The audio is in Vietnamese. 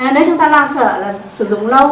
nếu chúng ta lo sợ là sử dụng lâu